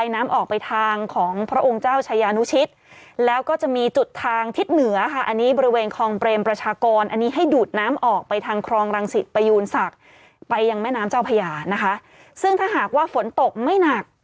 นี้ให้ดูดน้ำออกไปทางครองรังศิษย์ไปยูนสักไปยังแม่น้ำเจ้าพญานะคะซึ่งถ้าหากว่าฝนตกไม่หนัก